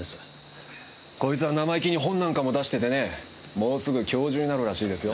こいつは生意気に本なんかも出しててねもうすぐ教授になるらしいですよ。